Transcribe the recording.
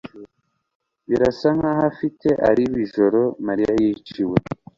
Birasa nkaho afite alibi ijoro Mariya yiciwe